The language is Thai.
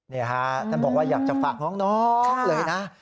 นี่ฮะท่านบอกว่าอยากจะฝากน้องเลยนะ